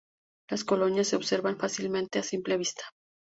Las colonias, se observan fácilmente a simple vista.